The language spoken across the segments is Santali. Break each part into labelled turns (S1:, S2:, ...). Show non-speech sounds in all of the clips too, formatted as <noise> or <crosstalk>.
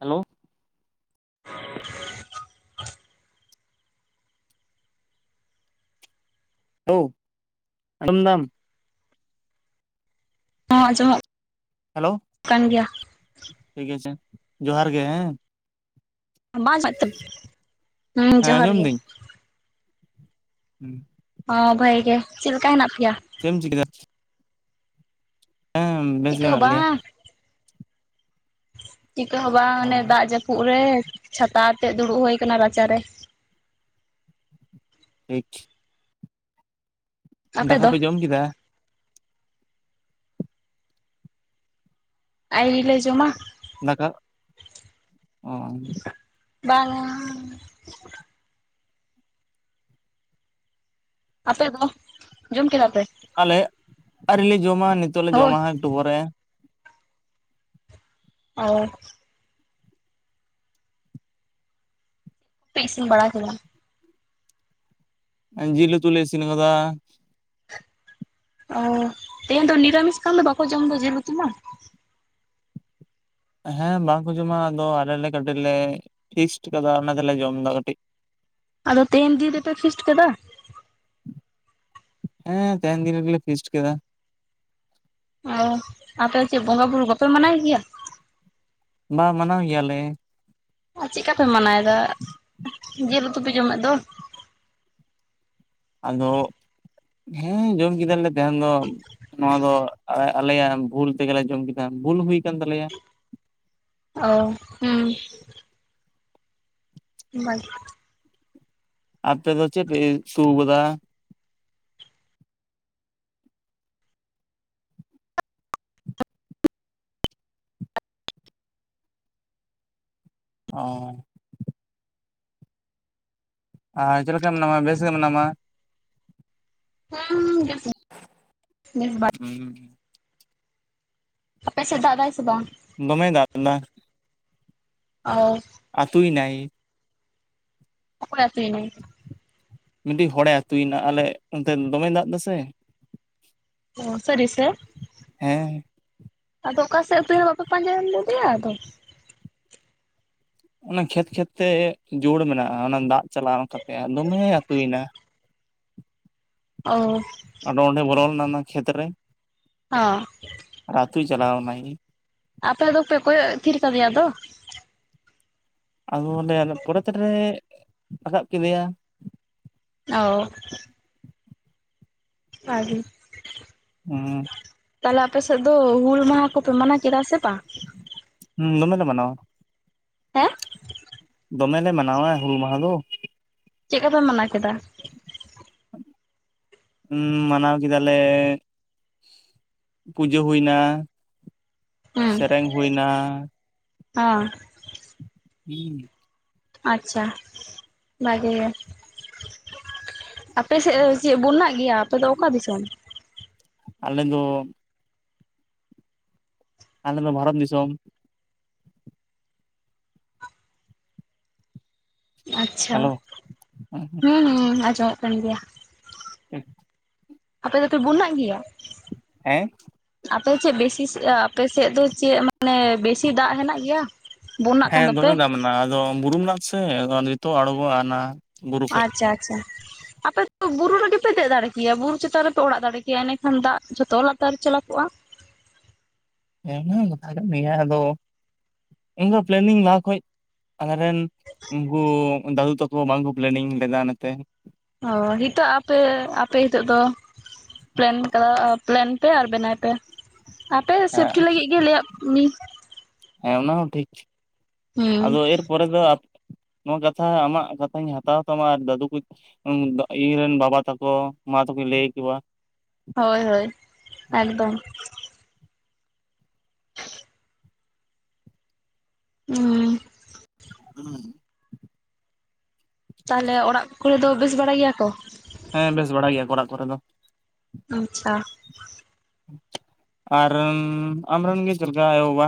S1: ᱦᱮᱞᱳ
S2: <inaudible>
S1: ᱦᱮᱞᱳ ᱟᱡᱚᱢ ᱫᱟᱢ
S2: ᱦᱚᱸ ᱟᱡᱚᱢᱚᱜ
S1: ᱦᱮᱞᱳ ᱴᱷᱤᱠ ᱟᱪᱷᱮ ᱡᱚᱦᱟᱨ ᱜᱮ ᱦᱮᱸ
S2: <unintelligible> ᱦᱩᱸ
S1: ᱦᱮᱸ
S2: ᱡᱚᱦᱟᱨ ᱜᱮ
S1: ᱦᱩᱸ
S2: ᱚ ᱵᱷᱟᱜᱮ ᱜᱮ ᱪᱮᱫ ᱞᱮᱠᱟ ᱦᱮᱱᱟᱜ ᱯᱮ
S1: ᱪᱮᱢ ᱪᱤᱠᱟᱹ ᱫᱟ ᱦᱮᱸ ᱵᱮᱥ
S2: ᱪᱤᱠᱟᱹ
S1: ᱜᱮ
S2: ᱦᱚᱸ
S1: ᱢᱮᱱᱟᱜ ᱞᱮᱭᱟ
S2: ᱵᱟᱝ ᱪᱤᱠᱟᱹ ᱦᱚᱸ ᱵᱟᱝ
S1: ᱚ
S2: ᱚᱱᱮ ᱫᱟᱜ ᱡᱟᱹᱯᱩᱫ ᱨᱮ ᱪᱷᱟᱛᱟ ᱟᱛᱮᱜ ᱫᱩᱲᱩᱵ ᱦᱳᱭ ᱠᱟᱱᱟ ᱨᱟᱪᱟᱨᱮ
S1: ᱴᱷᱤᱠ
S2: ᱟᱯᱮ
S1: ᱫᱟᱠᱟ
S2: ᱫᱚ
S1: ᱯᱮ ᱡᱚᱢ ᱠᱮᱫᱟ
S2: ᱟᱹᱭᱨᱤ ᱞᱮ ᱡᱚᱢᱟ
S1: ᱫᱟᱠᱟ ᱚᱻ
S2: ᱵᱟᱝᱟ ᱟᱯᱮ ᱫᱚ ᱡᱚᱢ ᱠᱮᱫᱟ ᱯᱮ
S1: ᱟᱞᱮ ᱟᱹᱣᱨᱤ ᱞᱮ ᱡᱚᱢᱟ ᱱᱤᱛᱚᱜ ᱞᱮ
S2: ᱦᱳᱭ
S1: ᱡᱚᱢᱟ ᱮᱠᱴᱩᱯᱚᱨᱮ
S2: ᱚ ᱯᱮ ᱤᱥᱤᱱ ᱵᱟᱲᱟ ᱠᱮᱫᱟ
S1: ᱡᱤᱞ ᱩᱛᱩ ᱞᱮ ᱤᱥᱤᱱ ᱠᱟᱫᱟ
S2: ᱚ ᱛᱮᱦᱮᱧ ᱫᱚ ᱱᱤᱨᱟᱢᱤᱥ ᱠᱟᱱᱫᱚ ᱵᱟᱠᱚ ᱡᱚᱢ ᱫᱚ ᱡᱮᱞ ᱩᱛᱩ ᱢᱟ
S1: ᱦᱮᱸ ᱵᱟᱝᱠᱚ ᱡᱚᱢᱟ ᱟᱫᱚ ᱟᱞᱮ ᱞᱮ ᱠᱟᱹᱴᱤᱡ ᱞᱮ ᱯᱷᱤᱥᱴ ᱠᱟᱫᱟ ᱚᱱᱟ ᱛᱮᱞᱮ ᱡᱚᱢᱫᱟ ᱠᱟᱹᱴᱤᱡ
S2: ᱟᱫᱚ ᱛᱮᱦᱮᱧ ᱫᱤᱱ ᱨᱮᱯᱮ ᱯᱷᱤᱥᱴ ᱠᱟᱫᱟ
S1: ᱦᱮᱸ ᱛᱮᱦᱮᱱ ᱫᱤᱱ ᱨᱮᱜᱮᱞᱮ ᱯᱷᱤᱥᱴ ᱠᱮᱫᱟ
S2: ᱚ ᱟᱯᱮ ᱪᱮᱫ ᱵᱚᱸᱜᱟ-ᱵᱩᱨᱩ ᱵᱟᱯᱮ ᱢᱟᱱᱟᱭ ᱜᱮᱭᱟ
S1: ᱵᱟ ᱢᱟᱱᱟᱣ ᱜᱮᱭᱟᱞᱮ
S2: ᱟᱨ ᱪᱮᱫᱠᱟᱯᱮ ᱢᱟᱱᱟᱣᱭᱫᱟ ᱡᱤᱞ ᱩᱛᱩ ᱯᱮ ᱡᱚᱢᱮᱜ ᱫᱚ
S1: ᱟᱫᱚ ᱦᱮᱸ ᱡᱚᱢ ᱠᱮᱫᱟᱞᱮ ᱛᱟᱦᱮᱱ ᱫᱚ ᱱᱚᱣᱟ ᱫᱚ ᱟᱞᱮᱭᱟᱜ ᱵᱷᱩᱞ ᱛᱮᱜᱮᱞᱮ ᱡᱚᱢ ᱠᱮᱫᱟ ᱵᱷᱩᱞ ᱦᱩᱭ ᱟᱠᱟᱱ ᱛᱟᱞᱮᱭᱟ
S2: ᱚ ᱦᱮᱸ ᱵᱟᱭ <inaudible>
S1: ᱟᱯᱮ ᱫᱚ ᱚ ᱟᱨ ᱪᱮᱫ ᱞᱮᱠᱟ ᱢᱮᱱᱟᱢᱟ ᱵᱮᱥ ᱜᱮ ᱢᱮᱱᱟᱢᱟ <inaudible>
S2: ᱟᱯᱮ
S1: ᱦᱩᱸ
S2: ᱟᱯᱮᱥᱮᱫ ᱫᱟᱜ ᱮᱫᱟᱭ ᱥᱮ ᱵᱟᱝ
S1: ᱫᱚᱢᱮ ᱫᱟᱞᱫᱟ <unintelligible>
S2: ᱚ
S1: ᱟᱹᱛᱩᱭ ᱱᱟᱭ
S2: ᱚᱠᱚ ᱟᱹᱛᱩᱭ ᱱᱟᱭ
S1: ᱢᱤᱴᱤᱡ ᱦᱚᱲᱮ ᱟᱹᱛᱩᱭᱮᱱᱟ ᱟᱞᱮ ᱚᱱᱛᱮ ᱫᱚᱢᱮ ᱫᱟᱜ ᱮᱟᱥᱮ
S2: ᱚ ᱥᱟᱹᱨᱤ ᱥᱮ
S1: ᱦᱮᱸ
S2: ᱦᱮᱸ ᱟᱫᱚ
S1: ᱚᱱᱟ ᱠᱷᱮᱛ ᱠᱷᱮᱛ ᱛᱮ ᱡᱳᱲ ᱢᱮᱱᱟᱜᱼᱟ ᱚᱱᱟ ᱫᱟᱜ ᱪᱟᱞᱟᱣ <unintelligible> ᱠᱟᱛᱮ ᱫᱚᱢᱮ ᱟᱹᱛᱩᱭᱮᱱᱟ <inaudible>
S2: ᱚ
S1: ᱦᱟᱱᱟᱱᱟ ᱠᱷᱮᱛ ᱨᱮ
S2: ᱚ
S1: ᱟᱨ ᱟᱹᱛᱩᱭ ᱪᱟᱞᱟᱣ ᱱᱟᱭ
S2: ᱟᱯᱮ ᱫᱚᱯᱮ ᱠᱚᱭᱚᱜ ᱛᱷᱤᱨ ᱠᱟᱫᱮᱭᱟ ᱫᱚ
S1: ᱟᱫᱚ ᱚᱱᱰᱮ ᱯᱚᱨ ᱛᱮᱨᱮ ᱨᱟᱠᱟᱵ ᱠᱤᱱᱟ
S2: ᱚ ᱟᱨᱤ
S1: ᱦᱮᱸ
S2: ᱛᱟᱦᱞᱮ ᱟᱯᱮ ᱥᱮᱫ ᱫᱚ ᱦᱩᱞ ᱢᱟᱦᱟ ᱠᱚᱯᱮ ᱢᱟᱱᱟᱣ ᱠᱮᱫᱟ ᱥᱮ ᱵᱟᱝ
S1: ᱫᱚᱢᱮ ᱞᱮ ᱢᱟᱱᱟᱣᱟ
S2: ᱦᱮᱸ
S1: ᱫᱚᱢᱮ ᱞᱮ ᱢᱟᱱᱟᱣᱟ ᱦᱩᱞ ᱢᱟᱦᱟ ᱫᱚ
S2: ᱪᱮᱫ ᱠᱚ ᱯᱮ ᱢᱟᱱᱟᱣ ᱠᱮᱫᱟ
S1: ᱢᱟᱱᱟᱣ ᱠᱮᱫᱟᱞᱮ ᱯᱩᱡᱟᱹ ᱦᱩᱭᱱᱟ
S2: ᱦᱩᱸ
S1: ᱥᱮᱨᱮᱧ ᱦᱩᱭᱱᱟ
S2: ᱦᱚᱸ
S1: ᱦᱮᱸ
S2: ᱟᱪᱷᱟ ᱵᱷᱟᱜᱤ ᱜᱮ ᱟᱯᱮ ᱥᱮᱫ ᱫᱚ ᱪᱮᱫ ᱵᱚᱱᱟᱜ ᱜᱮᱭᱟ ᱟᱯᱮ ᱫᱚ ᱚᱠᱟ ᱫᱤᱥᱚᱢ
S1: ᱟᱞᱮ ᱫᱚ ᱟᱞᱮ ᱫᱚ ᱵᱷᱟᱨᱚᱛ ᱫᱤᱥᱚᱢ
S2: ᱟᱪᱪᱷᱟ
S1: ᱦᱮᱞᱳ
S2: ᱦᱮᱸ ᱟᱸᱡᱚᱢᱚᱜ ᱠᱟᱱ ᱜᱮᱭᱟ
S1: <inaudible>
S2: ᱟᱯᱮ ᱫᱚᱯᱮ ᱵᱩᱱᱟᱜ ᱜᱮᱭᱟ᱾
S1: ᱦᱮᱸ
S2: ᱟᱯᱮ ᱪᱮ ᱵᱮᱥᱤᱥ ᱟᱯᱮᱥᱮᱫ ᱫᱚ ᱪᱮ ᱢᱟᱱᱮ ᱵᱚᱱᱱᱟᱜ ᱠᱟᱱ
S1: ᱦᱮᱸ
S2: ᱫᱚᱯᱮ
S1: ᱫᱚᱢᱮ ᱫᱟᱢ ᱮᱱᱟ ᱟᱫᱚ ᱵᱩᱨᱩ ᱵᱚᱸᱜᱟ ᱥᱮ ᱟᱫᱚ ᱱᱤᱛᱚᱜ ᱟᱬᱜᱚᱜ ᱟᱱᱟ
S2: ᱟᱪᱪᱷᱟ ᱟᱪᱪᱷᱟ ᱟᱯᱮ ᱫᱚᱚ ᱵᱩᱨᱩ ᱨᱮᱜᱮᱯᱮ ᱫᱮ ᱫᱟᱲᱮ ᱠᱮᱭᱟ ᱵᱩᱨᱩ ᱪᱮᱛᱟᱱ ᱨᱮᱯᱮ ᱚᱲᱟᱜ ᱫᱟᱲᱮ ᱠᱮᱭᱟ ᱮᱱᱮᱠᱷᱟᱱ ᱫᱟᱜ ᱡᱚᱛᱚ ᱞᱟᱛᱟᱨ ᱪᱟᱞᱟᱜᱼᱟ ᱵᱚᱜᱼᱟ
S1: ᱦᱮᱸ ᱢᱟ ᱠᱟᱛᱷᱟ ᱠᱟᱱ ᱜᱮᱭᱟ ᱟᱫᱚ ᱤᱧ ᱦᱚ ᱯᱞᱮᱱᱤᱝ ᱞᱟᱦᱟ ᱠᱷᱚᱡ ᱟᱞᱮ ᱨᱮᱱ ᱩᱱᱠᱩ ᱫᱟᱫᱩ ᱛᱟᱠᱚ ᱵᱟᱝᱠᱚ ᱯᱞᱮᱱᱤᱝ ᱞᱮᱫᱟ ᱚᱱᱟᱛᱮ
S2: ᱚ ᱱᱤᱛᱚᱜ ᱟᱯᱮ ᱟᱯᱮ ᱱᱤᱛᱚᱜ ᱫᱚ ᱯᱞᱮᱱ ᱠᱟ ᱯᱞᱮᱱ ᱯᱮ ᱟᱨ ᱵᱮᱱᱟᱭ ᱯᱮ ᱟᱯᱮ ᱥᱟ.
S1: ᱦᱮᱸ
S2: ᱠᱷᱤᱞ ᱞᱟᱹᱜᱤᱫ ᱜᱮ ᱞᱟᱹᱭᱟᱜ ᱢᱤ
S1: ᱦᱮᱸ ᱚᱱᱟ ᱦᱚᱸ ᱟᱫᱚ ᱮᱨᱯᱚᱨᱮ ᱫᱚ ᱱᱚᱣᱟ ᱠᱟᱛᱷᱟ ᱟᱢᱟᱜ ᱠᱟᱛᱷᱟᱧ ᱦᱟᱛᱟᱣ ᱛᱟᱢᱟ ᱟᱨ ᱫᱟᱫᱩ ᱠᱚ <unintelligible> ᱵᱟᱵᱟ ᱛᱟᱠᱚ ᱢᱟ ᱛᱚᱵᱮ ᱞᱟᱹᱭ ᱠᱚᱣᱟ
S2: ᱦᱳᱭ ᱦᱳᱭ ᱮᱠᱫᱚᱢ ᱦᱩᱸ
S1: ᱦᱩᱸ
S2: ᱛᱟᱦᱚᱞᱮ ᱚᱲᱟᱜ ᱠᱚᱨᱮ ᱫᱚ ᱵᱮᱥ ᱵᱟᱲᱟ ᱜᱮᱭᱟ ᱠᱚ
S1: ᱦᱮᱸ ᱵᱮᱥ ᱵᱟᱲᱟ ᱜᱮᱭᱟ ᱠᱚ ᱚᱲᱟᱜ ᱠᱚᱨᱮ ᱫᱚ
S2: ᱟᱪᱪᱷᱟ
S1: ᱟᱨ ᱟᱢᱨᱮᱱ ᱜᱮ ᱪᱮᱫ ᱞᱮᱠᱟ ᱟᱭᱳ ᱵᱟᱵᱟ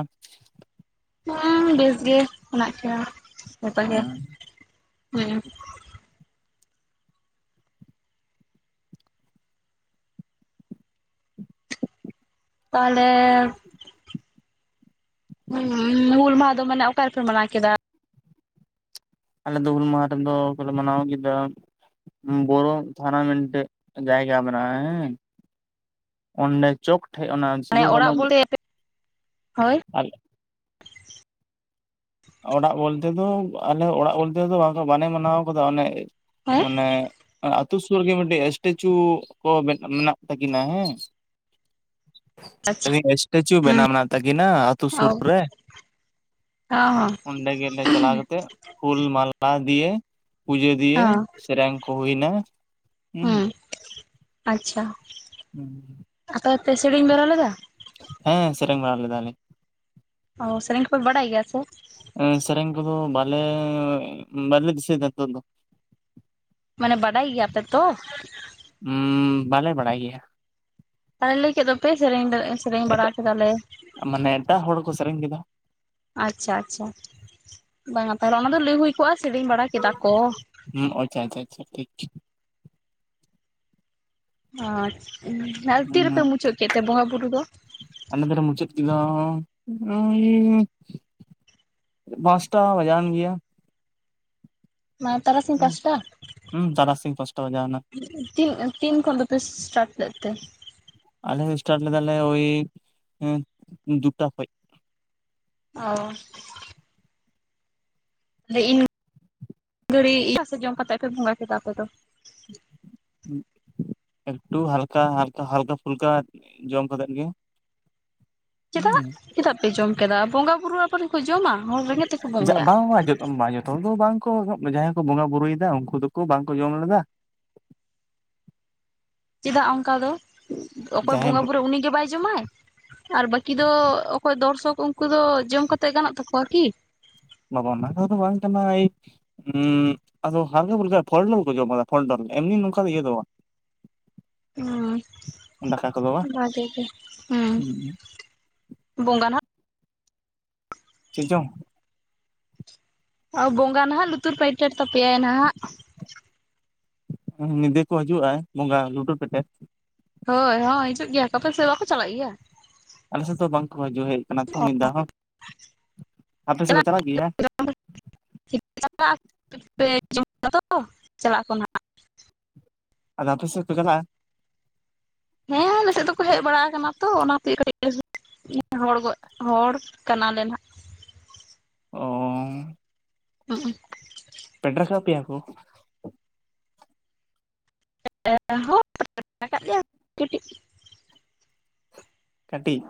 S2: ᱦᱮᱸ ᱵᱮᱥ ᱜᱮ ᱢᱮᱱᱟᱜ ᱠᱤᱱᱟ ᱡᱚᱛᱚ ᱜᱮ ᱦᱮᱸ ᱛᱟᱦᱚᱞᱮ ᱦᱮᱸ ᱦᱩᱞ ᱢᱟᱦᱟ ᱫᱚ ᱢᱟᱱᱮ ᱚᱠᱟ ᱨᱮᱯᱮ ᱢᱟᱱᱟᱣ ᱠᱮᱫᱟ
S1: ᱟᱞᱮ ᱫᱚ ᱦᱩᱞ ᱢᱟᱦᱟ ᱨᱮ ᱫᱚ ᱦᱚᱞᱮ ᱢᱟᱱᱟᱣ ᱠᱮᱫᱟ ᱵᱳᱨᱳ ᱛᱟᱱᱟ ᱢᱮᱱᱛᱮ ᱡᱟᱭᱜᱟ ᱢᱮᱱᱟᱜ-ᱟ ᱦᱮᱸ ᱚᱸᱰᱮ ᱪᱚᱠ ᱴᱷᱮᱡ ᱚᱱᱟ
S2: ᱢᱟᱱᱮ
S1: ᱥᱤᱫᱩ ᱠᱟᱹᱱᱦᱩ
S2: ᱚᱲᱟᱜ ᱵᱚᱞᱮ ᱦᱳᱭ
S1: <inaudible> ᱚᱲᱟᱜ ᱵᱚᱞᱛᱮ ᱫᱚ ᱟᱞᱮ ᱚᱲᱟᱜ ᱵᱚᱞᱛᱮ ᱫᱚ ᱵᱟᱝ ᱵᱟᱞᱮ ᱢᱟᱱᱟᱣ ᱠᱟᱫᱟ ᱚᱱᱮ
S2: ᱦᱮᱸ
S1: ᱚᱱᱮ ᱟᱛᱳ ᱥᱩᱨ ᱨᱮ ᱜᱮ ᱢᱤᱫᱴᱤᱡ ᱮᱥᱴᱮᱪᱩ ᱠᱚ ᱢᱮᱱᱟᱜ ᱛᱟᱹᱠᱤᱱᱟ ᱦᱮᱸ
S2: ᱟᱪᱪᱷᱟ
S1: <unintelligible> ᱮᱥᱴᱮᱪᱩ
S2: ᱦᱩᱸ
S1: ᱵᱮᱱᱟᱣ ᱢᱮᱱᱟᱜ ᱛᱟᱠᱤᱱᱟ ᱟ ᱟᱹᱛᱩ
S2: ᱚ
S1: ᱥᱩᱨ ᱨᱮ᱾
S2: ᱦᱚᱸ
S1: ᱚᱸᱰᱮ ᱜᱮᱞᱮ ᱪᱟᱞᱟᱣ ᱠᱟᱛᱮ ᱦᱩᱞ ᱢᱟᱞᱟ ᱫᱤᱭᱮ ᱯᱩᱡᱟᱹ ᱫᱤᱭᱮ ᱥᱮᱨᱮᱧ ᱠᱚ ᱦᱩᱭᱱᱟ ᱦᱩᱸ
S2: ᱦᱮᱸ ᱟᱪᱪᱷᱟ ᱟᱯᱮ ᱯᱮ ᱥᱮᱨᱮᱧ ᱵᱟᱰᱟ ᱞᱮᱫᱟ᱾
S1: ᱦᱮᱸ ᱥᱮᱨᱮᱧ ᱵᱟᱲᱟ ᱞᱮᱫᱟ ᱞᱤᱝ᱾
S2: ᱚ ᱥᱮᱨᱮᱧ ᱠᱚᱯᱮ ᱵᱟᱲᱟᱭ ᱜᱮᱭᱟ ᱥᱮ
S1: ᱮᱸ ᱥᱮᱨᱮᱧ <unintelligible>
S2: ᱢᱟᱱᱮ ᱵᱟᱰᱟᱭ ᱜᱮᱭᱟᱯᱮ ᱛᱚ
S1: ᱩᱸ ᱵᱟᱞᱮ ᱵᱟᱲᱟᱭ ᱜᱮᱭᱟ
S2: ᱛᱟᱦᱞᱮ ᱞᱟᱹᱭ ᱠᱮᱫ ᱫᱚᱯᱮ ᱥᱮᱨᱮᱧ ᱫᱚ ᱥᱮᱨᱮᱧ
S1: ᱮᱴᱟᱜ
S2: ᱵᱟᱲᱟ ᱠᱮᱫᱟᱞᱮ
S1: ᱢᱟᱱᱮ ᱮᱴᱟᱜ ᱦᱚᱲ ᱠᱚ ᱥᱮᱨᱮᱧ ᱠᱮᱫᱟ
S2: ᱟᱪᱪᱷᱟ ᱟᱪᱪᱷᱟ ᱵᱟᱝᱟ ᱛᱟᱦᱚᱞᱮ ᱚᱱᱟ ᱫᱚ ᱞᱟᱹᱭ ᱦᱩᱭ ᱠᱚᱜ-ᱟ ᱥᱮᱨᱮᱧ ᱵᱟᱲᱟ ᱠᱮᱫᱟ ᱠᱚ
S1: ᱦᱩᱸ ᱟᱪᱪᱷᱟ ᱟᱪᱪᱷᱟ ᱟᱪᱪᱷᱟ ᱴᱷᱤᱠ ᱦᱩᱸ ᱟᱞᱮ ᱫᱚᱞᱮ ᱢᱩᱪᱟᱹᱫ
S2: <inaudible>
S1: <unintelligible> ᱯᱟᱸᱪᱴᱟ ᱵᱟᱡᱟᱣᱟᱱ ᱜᱮᱭᱟ
S2: ᱢᱟ ᱛᱟᱨᱟᱥᱤᱧ ᱯᱟ
S1: ᱦᱩᱸ
S2: ᱥᱴᱟ
S1: ᱦᱩᱸ ᱛᱟᱨᱟᱥᱤᱧ ᱯᱟᱸᱪᱴᱟ ᱵᱟᱡᱟᱣᱱᱟ
S2: ᱛᱤᱱ ᱛᱤᱱ ᱠᱷᱚᱱ ᱫᱚᱯᱮ ᱥᱴᱟᱴ ᱞᱮᱫ ᱛᱮ?
S1: ᱟᱞᱮ ᱥᱴᱟᱨᱴ ᱞᱮᱫᱟᱞᱮ ᱳᱭ ᱫᱩᱴᱟ ᱠᱷᱚᱡ᱾
S2: ᱚ ᱤᱧ ᱜᱷᱟᱹᱲᱤ <unintelligible> ᱡᱚᱢ ᱠᱟᱛᱮ ᱯᱮ ᱵᱚᱸᱜᱟ ᱠᱮᱫᱟ ᱟᱯᱮ ᱫᱚ
S1: ᱮᱠᱴᱩ ᱦᱟᱞᱠᱟ ᱦᱟᱞᱠᱟ ᱦᱟᱞᱠᱟ ᱯᱷᱩᱞᱠᱟ ᱡᱚᱢ ᱠᱟᱛᱮᱫ ᱜᱮ᱾
S2: ᱪᱮᱫᱟᱜ ᱪᱮᱫᱟᱜ ᱯᱮ ᱡᱚᱢ ᱠᱮᱫᱟ ᱵᱚᱸᱜᱟ ᱵᱩᱨᱩ ᱟᱵᱚᱨᱮᱱ ᱠᱚ ᱡᱚᱢᱟ ᱦᱚᱲ ᱨᱮᱸᱜᱮᱡ ᱛᱮᱠᱚ ᱵᱚᱸᱜᱟᱭᱟ᱾
S1: ᱵᱟᱝ ᱵᱟᱝ <unintelligible> ᱡᱚᱛᱚᱱ ᱦᱚᱲ ᱫᱚ ᱵᱟᱝ ᱡᱟᱦᱟᱸᱭ ᱠᱚ ᱵᱚᱸᱜᱟ ᱵᱩᱨᱩᱭᱮᱫᱟ ᱩᱱᱠᱩ ᱫᱚᱠᱚ ᱵᱟᱝᱠᱚ ᱡᱚᱢ ᱞᱮᱫᱟ᱾
S2: ᱪᱮᱫᱟᱜ ᱚᱱᱠᱟ ᱫᱚ? ᱚᱠᱚᱭ
S1: ᱡᱟᱦᱟᱸᱭ
S2: ᱵᱚᱸᱜᱟ ᱵᱩᱨᱩ ᱩᱱᱤᱜᱮ ᱵᱟᱭ ᱡᱚᱢᱟᱭ ᱟᱨ ᱵᱟᱠᱤ ᱫᱚ ᱚᱠᱚᱭ ᱫᱚᱨᱥᱚᱠ ᱩᱱᱠᱩ ᱫᱚ ᱡᱚᱢ ᱠᱟᱛᱮᱫ ᱜᱟᱱᱚᱜ ᱛᱟᱠᱚᱣᱟ ᱠᱤ?
S1: ᱵᱟᱵᱟ ᱚᱱᱟ ᱠᱟᱛᱷᱟ ᱫᱚ ᱵᱟᱝ ᱠᱟᱱᱟ ᱟᱫᱚ ᱦᱟᱞᱠᱟ ᱯᱷᱩᱞᱠᱟ ᱯᱷᱚᱞ ᱰᱚᱞ ᱠᱚ ᱡᱚᱢ ᱠᱟᱫᱟ ᱯᱷᱚᱞ ᱰᱚᱞ ᱮᱢᱱᱤ ᱱᱚᱝᱠᱟ ᱤᱭᱟᱹ ᱫᱚ ᱵᱟᱝ᱾ ᱫᱟᱠᱟ ᱠᱚᱫᱚ ᱵᱟᱝ
S2: ᱦᱮᱸ ᱵᱷᱟᱜᱮ ᱜᱮ ᱦᱮᱸ ᱵᱚᱸᱜᱟ ᱱᱟᱦᱟᱜ
S1: ᱪᱮᱫ ᱪᱚᱝ?
S2: ᱚ ᱵᱚᱸᱜᱟ ᱱᱟᱦᱟᱜ ᱞᱩᱛᱩᱨ ᱯᱟᱹᱭᱴᱮᱨ ᱛᱟᱯᱮᱭᱟᱭ ᱱᱟᱦᱟᱜ᱾
S1: ᱧᱤᱫᱟᱹ ᱠᱚ ᱦᱤᱡᱩᱜ-ᱟ ᱵᱚᱸᱜᱟ ᱞᱩᱴᱩᱨ ᱯᱮᱴᱮᱨ?
S2: ᱦᱳᱭ ᱦᱳᱭ ᱦᱤᱡᱩᱜ ᱜᱮᱭᱟ ᱠᱚ ᱟᱯᱮ ᱥᱮ ᱵᱟᱠᱚ ᱪᱟᱞᱟᱜ ᱜᱮᱭᱟ᱾
S1: ᱟᱞᱮ ᱥᱮᱫ ᱫᱚ ᱵᱟᱝᱠᱚ ᱦᱤᱡᱩᱜ ᱦᱮᱡ ᱠᱟᱱᱟ ᱛᱚ ᱢᱤᱫ ᱫᱷᱟ ᱦᱚᱸ ᱟᱯᱮ ᱥᱮᱫ ᱫᱚ ᱪᱟᱞᱟᱜ ᱜᱮᱭᱟ᱾
S2: <unintelligible>
S1: ᱟᱫᱚ ᱟᱯᱮ ᱥᱮᱫ ᱠᱚ ᱪᱟᱞᱟᱜ-ᱟ?
S2: ᱦᱮᱸ ᱟᱞᱮᱥᱮᱜ ᱫᱚᱠᱚ ᱦᱮᱡ ᱵᱟᱲᱟ ᱠᱟᱱᱟ ᱛᱚ ᱚᱱᱟᱛᱮ ᱠᱟᱹᱴᱤᱡ <unintelligible> ᱨᱚᱲ ᱠᱟᱱᱟ᱾ ᱱᱟᱞᱮ ᱱᱟᱜ᱾
S1: ᱚᱸ
S2: <unintelligible>
S1: ᱯᱟᱹᱭᱴᱟᱨ ᱟᱠᱟᱫ ᱯᱮᱭᱟ ᱠᱚ?
S2: <unintelligible> ᱠᱟᱹᱴᱤᱡ
S1: ᱠᱟᱹᱴᱤᱡ᱾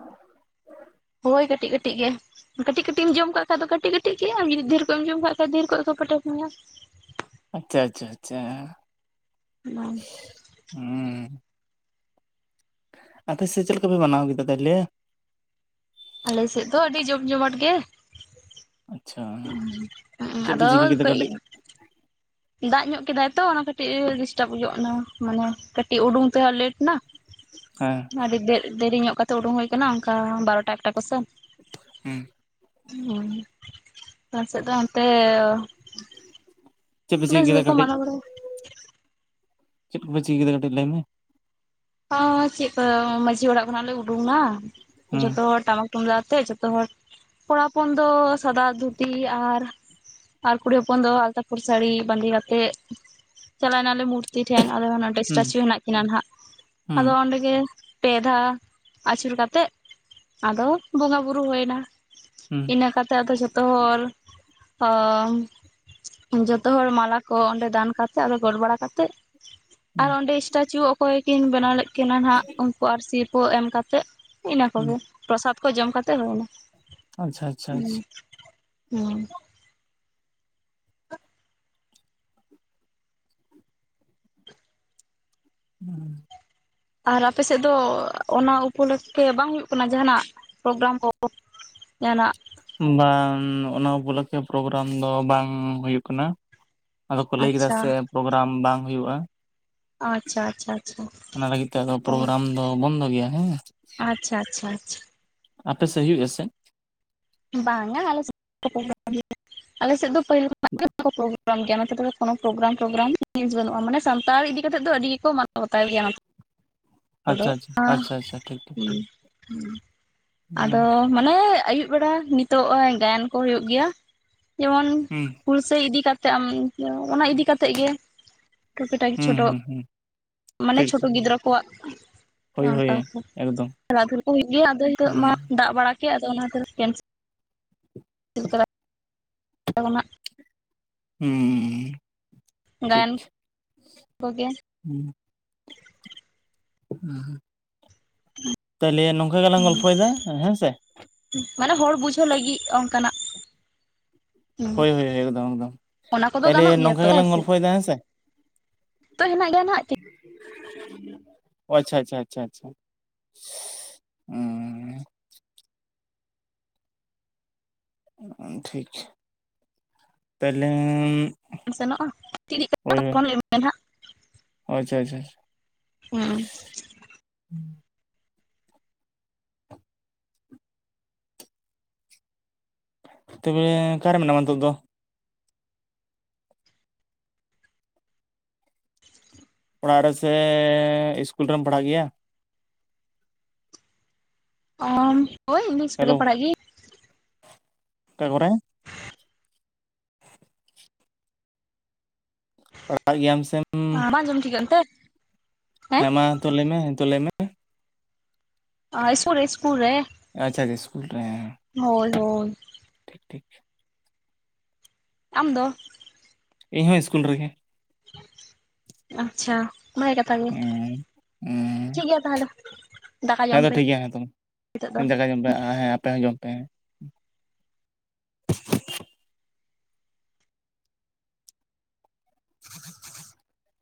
S2: ᱦᱳᱭ ᱠᱟᱹᱴᱤᱡ ᱠᱟᱹᱴᱤᱡ ᱜᱮ᱾ ᱠᱟᱹᱴᱤᱡ ᱠᱟᱹᱴᱤᱡ ᱮᱢ ᱡᱚᱢ ᱠᱟᱜ ᱠᱷᱟᱡ ᱫᱚ ᱠᱟᱹᱴᱤᱡ ᱠᱟᱹᱴᱤᱡ ᱜᱮ ᱡᱩᱫᱤ ᱰᱷᱮᱨ ᱠᱷᱚᱱᱚᱡ ᱮᱢ ᱡᱚᱢ ᱠᱟᱜ ᱠᱷᱟᱡ ᱰᱷᱮᱨ ᱠᱷᱚᱱᱚᱡ ᱠᱚ ᱯᱟᱹᱭᱴᱟᱨ ᱢᱮᱭᱟ᱾
S1: ᱟᱪᱪᱷᱟ ᱟᱪᱪᱷᱟ ᱟᱪᱪᱷᱟ ᱦᱩᱸ ᱟᱯᱮ ᱥᱮ ᱪᱮᱫ ᱞᱮᱠᱟᱯᱮ ᱢᱟᱱᱟᱣ ᱠᱮᱫᱟ ᱛᱟᱦᱚᱞᱮ?
S2: ᱟᱞᱮ ᱥᱮᱫ ᱫᱚ ᱟᱹᱰᱤ ᱡᱚᱢ ᱡᱚᱢᱟᱴ ᱜᱮ᱾
S1: ᱟᱪᱪᱷᱟ ᱪᱮᱫ ᱯᱮ
S2: ᱟᱫᱚ
S1: ᱪᱤᱠᱟᱹ ᱠᱮᱫᱟ
S2: ᱠᱚ᱾
S1: ᱠᱟᱹᱴᱤᱡ
S2: ᱫᱟᱜ ᱧᱚᱜ ᱠᱮᱫᱟᱭ ᱛᱚ ᱚᱱᱟ ᱠᱟᱹᱴᱤᱡ ᱰᱤᱥᱴᱟᱵ ᱧᱚᱜ ᱱᱟ ᱢᱟᱱᱮ ᱠᱟᱹᱴᱤᱡ ᱩᱰᱩᱝ ᱛᱮᱦᱚᱸ ᱞᱮᱴ ᱮᱱᱟ᱾
S1: ᱦᱮᱸ
S2: ᱟᱹᱰᱤ ᱫᱮᱨᱤ ᱧᱚᱜ ᱠᱟᱛᱮ ᱩᱰᱩᱝ ᱦᱩᱭᱠᱟᱱᱟ ᱚᱱᱠᱟ ᱵᱟᱨᱚᱴᱟ ᱮᱠᱴᱟ ᱠᱚᱥᱮᱫ᱾ <unintelligible>
S1: ᱦᱩᱸ
S2: <unintelligible> ᱥᱮᱫ ᱫᱚ ᱟᱱᱛᱮ
S1: ᱪᱮᱫ ᱯᱮ ᱪᱮᱠᱟ ᱠᱮᱫᱟ ᱠᱟᱹᱴᱤᱡ ᱪᱮᱫ ᱠᱚᱯᱮ ᱪᱮᱠᱟ ᱠᱮᱫᱟ ᱠᱟᱹᱴᱤᱡ ᱞᱟᱹᱭ ᱢᱮ?
S2: ᱚᱸ ᱪᱮᱫ ᱠᱚ ᱢᱟᱺᱡᱷᱤ ᱚᱲᱟᱜ ᱠᱷᱚᱱᱟᱜ ᱞᱮ ᱩᱰᱩᱝᱱᱟ
S1: ᱦᱩᱸ
S2: ᱡᱚᱛᱚ ᱴᱟᱢᱟᱠ ᱛᱩᱢᱫᱟᱜ ᱟᱛᱮᱜ ᱡᱚᱛᱚ ᱦᱚᱲ ᱠᱚᱲᱟ ᱦᱚᱯᱚᱱ ᱫᱚ ᱥᱟᱫᱟ ᱫᱷᱩᱛᱤ ᱟᱨ ᱟᱨ ᱠᱩᱲᱤ ᱦᱚᱯᱚᱱ ᱫᱚ ᱟᱞᱛᱟ ᱯᱳᱲ ᱥᱟᱹᱲᱤ ᱵᱟᱸᱫᱮ ᱠᱟᱛᱮᱜ ᱪᱟᱞᱟᱣᱱᱟᱞᱮ ᱢᱩᱨᱛᱤ ᱴᱷᱮᱱ᱾ ᱟᱞᱮ ᱦᱚᱸ ᱱᱟᱰᱮ
S1: ᱦᱩᱸ
S2: ᱥᱴᱟᱪᱩ ᱦᱮᱱᱟᱜ ᱠᱤᱱᱟ ᱦᱟᱸᱜ
S1: ᱦᱩᱸ
S2: ᱟᱫᱚ ᱚᱸᱰᱮ ᱜᱮ ᱯᱮ ᱫᱷᱟᱣ ᱟᱹᱪᱩᱨ ᱠᱟᱛᱮᱜ ᱟᱫᱚ ᱵᱚᱸᱜᱟ ᱵᱩᱨᱩ ᱦᱩᱭᱱᱟ᱾
S1: ᱦᱩᱸ
S2: ᱤᱱᱟᱹ ᱠᱟᱛᱮᱜ ᱟᱫᱚ ᱡᱷᱚᱛᱚ ᱦᱚᱲ ᱡᱚᱛᱚ ᱦᱚᱲ ᱢᱟᱞᱟ ᱠᱚ ᱚᱸᱰᱮ ᱫᱟᱱ ᱠᱟᱛᱮᱫ ᱟᱫᱚ ᱜᱚᱰ ᱵᱟᱲᱟ ᱠᱟᱛᱮᱫ ᱟᱨ
S1: ᱦᱩᱸ
S2: ᱚᱸᱰᱮ ᱥᱴᱟᱪᱩ ᱚᱠᱚᱭ ᱠᱤᱱ ᱵᱮᱱᱟᱣ ᱞᱮᱫ ᱠᱤᱱᱟ ᱦᱟᱸᱜ ᱩᱱᱠᱩ ᱟᱨ ᱥᱤᱨ ᱠᱚ ᱮᱢ ᱠᱟᱛᱮᱜ ᱤᱱᱟᱹ
S1: ᱦᱩᱸ
S2: ᱠᱚᱜᱮ ᱯᱨᱚᱥᱟᱫ ᱠᱚ ᱡᱚᱢ ᱠᱟᱛᱮᱜ ᱦᱩᱭ ᱮᱱᱟ᱾
S1: ᱟᱪᱷᱟ ᱟᱪᱷᱟ ᱟᱪᱷᱟ
S2: ᱦᱮᱸ
S1: <inaudible>
S2: ᱟᱨ ᱟᱯᱮ ᱥᱮᱫ ᱫᱚ ᱚᱱᱟ ᱩᱯᱚᱞᱚᱠᱠᱷᱮ ᱵᱟᱝ ᱦᱩᱭᱩᱜ ᱠᱟᱱᱟ ᱡᱟᱸᱦᱟᱱᱟᱜ ᱯᱨᱳᱜᱨᱟᱢ ᱠᱚ ᱡᱟᱸᱦᱟᱱᱟᱜ᱾
S1: ᱵᱟᱝ ᱚᱱᱟ ᱩᱯᱚᱞᱚᱠᱠᱷᱮ ᱯᱨᱳᱜᱨᱟᱢ ᱫᱚ ᱵᱟᱝ ᱦᱩᱭᱩᱜ ᱠᱟᱱᱟ᱾ ᱟᱫᱚ ᱠᱚ ᱞᱟᱹᱭ ᱠᱮᱫᱟ
S2: ᱟᱪᱪᱷᱟ
S1: ᱥᱮ ᱯᱨᱳᱜᱨᱟᱢ ᱵᱟᱝ ᱦᱩᱭᱩᱜᱼᱟ
S2: ᱟᱪᱪᱷᱟ ᱟᱪᱪᱷᱟ ᱟᱪᱪᱷᱟ
S1: ᱚᱱᱟ ᱞᱟᱹᱜᱤᱫ ᱛᱮ ᱟᱫᱚ
S2: ᱚ
S1: ᱯᱨᱳᱜᱨᱟᱢ ᱫᱚ ᱵᱚᱱᱫᱚ ᱜᱮᱭᱟ ᱦᱮᱸ
S2: ᱟᱪᱪᱷᱟ ᱟᱪᱪᱷᱟ ᱟᱪᱪᱷᱟ
S1: ᱟᱯᱮ ᱥᱮᱫ ᱦᱩᱭᱩᱜ ᱥᱮ
S2: ᱵᱟᱝᱟ ᱟᱞᱮ <unintelligible> ᱟᱞᱮ ᱥᱮᱫ ᱫᱚ ᱯᱟᱹᱦᱤᱞᱳ ᱵᱟᱠᱚ ᱯᱨᱳᱜᱨᱟᱢ ᱜᱮᱭᱟ ᱱᱚᱛᱮ ᱠᱳᱱᱳ ᱯᱨᱳᱜᱨᱟᱢ ᱯᱨᱳᱜᱨᱟᱢ ᱱᱤᱡ ᱵᱟᱹᱱᱩᱜᱼᱟ ᱢᱟᱱᱮ ᱥᱟᱱᱛᱟᱲ ᱤᱫᱤ ᱠᱟ ᱠᱟᱛᱮᱮᱫ ᱫᱚ ᱟᱹᱰᱤ ᱜᱮᱠᱚ ᱢᱟᱱᱟᱣ ᱵᱟᱛᱟᱣ ᱜᱮᱭᱟ ᱦᱸ
S1: ᱟᱪᱪᱷᱟ ᱟᱪᱪᱷᱟ ᱟᱪᱪᱷᱟ ᱟᱪᱪᱷᱟ ᱴᱷᱤᱠ ᱴᱷᱤᱠ
S2: ᱦᱸ
S1: ᱴᱷᱤᱠ
S2: <inaudible>
S1: ᱦᱩᱸ
S2: ᱟᱫᱚ ᱢᱟᱱᱮ ᱟᱭᱩᱵ ᱵᱮᱲᱟ ᱱᱤᱛ ᱛᱚ ‌ᱱᱚ -ᱚᱭ ᱜᱟᱭᱟᱱ ᱠᱚ ᱦᱩᱭᱩᱜ ᱜᱮᱭᱟ ᱡᱮᱢᱚᱱ
S1: ᱦᱩᱸ
S2: ᱦᱩᱞᱥᱟᱹᱭ ᱤᱫᱤ ᱠᱟᱛᱮᱜ ᱚᱱᱟ ᱤᱫᱤ ᱠᱟᱛᱮᱫ ᱜᱮ ᱴᱩᱠᱤ ᱴᱟᱠᱤ
S1: ᱦᱩᱸ
S2: ᱪᱷᱳᱴᱳ
S1: ᱦᱩᱸ ᱦᱩᱸ
S2: ᱢᱟᱱᱮ
S1: ᱴᱷᱤᱠ
S2: ᱪᱷᱳᱴᱳ
S1: ᱴᱷᱤᱠ
S2: ᱜᱤᱫᱽᱨᱟᱹ ᱠᱚᱣᱟᱜ
S1: ᱦᱳᱭ ᱦᱳᱭ
S2: ᱚᱱᱠᱟᱚᱱᱠᱟ
S1: ᱮᱠᱫᱚᱢ
S2: ᱫᱮᱟᱜ ᱫᱩᱞ ᱠᱚ ᱦᱩᱭᱩᱜ ᱜᱮᱭᱟ ᱟᱫᱚ ᱦᱤᱛᱳᱜ ᱢᱟ
S1: ᱦᱩᱸ
S2: ᱫᱟᱜ ᱵᱟᱲᱟ ᱟᱫᱚ ᱚᱱᱟ <unintelligible> ᱦᱤᱞ ᱠᱟᱱᱟ <inaudible> ᱩᱱᱟᱜ <unintelligible>
S1: ᱦᱩᱸ ᱴᱷᱤᱠ
S2: ᱜᱟᱭᱟᱱ ᱠᱚᱜᱮ
S1: ᱛᱟᱦᱞᱮ ᱱᱚᱝᱠᱟ ᱜᱮᱞᱟᱝ ᱜᱚᱞᱯᱷᱚᱭᱮᱫᱟ ᱦᱮᱸᱥᱮ
S2: ᱢᱟᱱᱮ ᱦᱚᱲ ᱵᱩᱡᱷᱟᱹᱣ ᱞᱟᱹᱜᱤᱫ ᱚᱱᱠᱟᱱᱟᱜ ᱦᱮᱸ
S1: ᱦᱳᱭ ᱦᱳᱭ ᱮᱠᱫᱚᱢ ᱮᱠᱫᱚᱢ
S2: ᱚᱱᱟ ᱠᱚᱫᱚ
S1: ᱛᱟᱦᱞᱮ
S2: ᱜᱟᱱᱚᱜ ᱜᱮᱭᱟ
S1: ᱱᱚᱝᱠᱟ
S2: ᱛᱚ
S1: ᱜᱮᱞᱟᱝ
S2: ᱥᱮ
S1: ᱜᱚᱞᱯᱷᱚᱭᱮᱫᱟ ᱦᱮᱸ ᱥᱮ
S2: ᱛᱚ ᱦᱮᱱᱟᱜ ᱜᱮᱭᱟ ᱱᱟᱜ
S1: ᱟᱪᱷᱟ ᱟᱪᱷᱟ ᱟᱪᱷᱟ ᱟᱪᱷᱟ ᱦᱮᱸ ᱴᱷᱤᱠ ᱛᱟᱭᱞᱮ
S2: ᱥᱮᱱᱚᱜᱼᱟ <unintelligible> ᱪᱮᱫᱤᱡ ᱠᱟᱛ ᱯᱷᱳᱱ ᱢᱮ ᱦᱟᱜ
S1: ᱟᱪᱪᱷᱟ ᱟᱪᱪᱷᱟ
S2: ᱦᱮᱸ
S1: ᱛᱚᱵᱮ ᱚᱠᱟᱨᱮ ᱢᱮᱱᱟᱢᱟ ᱱᱤᱛᱳᱜ ᱫᱚ ᱚᱲᱟᱜ ᱨᱮᱥᱮ ᱤᱥᱠᱩᱞ ᱨᱮᱢ ᱯᱟᱲᱦᱟᱜ ᱜᱮᱭᱟ
S2: ᱚ ᱦᱳᱭ ᱤ ᱥᱠᱩᱞ
S1: ᱦᱮᱞᱳ
S2: ᱜᱮ ᱯᱟᱲᱦᱟᱜ ᱜᱮᱭᱟᱧ
S1: ᱚᱠᱟ ᱠᱚᱨᱮ ᱯᱟᱲᱦᱟᱜ ᱜᱮᱭᱟᱢ ᱥᱮᱢ
S2: ᱵᱟᱝ ᱟᱸᱡᱚᱢ ᱴᱷᱤᱠᱟᱹᱜ ᱛᱮ
S1: ᱦᱮᱸ ᱢᱟ ᱛᱳ ᱞᱟᱹᱭ ᱢᱮ ᱛᱳ ᱞᱟᱹᱭ ᱢᱮ
S2: ᱥᱠᱩᱞ ᱨᱮ ᱥᱠᱩᱞ ᱨᱮ
S1: ᱟᱪᱪᱷᱟ ᱟᱪᱪᱷᱟ ᱤᱥᱠᱩᱞ ᱨᱮ
S2: ᱦᱳᱭ ᱦᱳᱭ
S1: ᱴᱷᱤᱠ ᱴᱷᱤᱠ <unintelligible>
S2: ᱟᱢᱫᱚ
S1: ᱤᱧ ᱦᱚᱸ ᱥᱠᱩᱞ ᱨᱮᱜᱮ
S2: ᱟᱪᱪᱷᱟ ᱵᱷᱟᱜᱮ ᱠᱟᱛᱷᱟ ᱜᱮ
S1: ᱦᱮᱸ ᱦᱮᱸ
S2: ᱴᱷᱤᱠ ᱜᱮᱭᱟ ᱛᱟᱦᱚᱞᱮ ᱫᱟᱠᱟ ᱡᱚᱢ ᱯᱮ ᱱᱤᱛᱚᱜ ᱫᱚ
S1: ᱫᱟᱠᱟ ᱡᱚᱢ ᱯᱮ ᱦᱮᱸ ᱟᱯᱮ ᱦᱚᱸ ᱡᱚᱢ ᱯᱮ ᱦᱮᱸ <inaudible>